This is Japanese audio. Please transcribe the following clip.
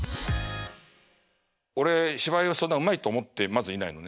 俺芝居をそんなうまいと思ってまずいないのね。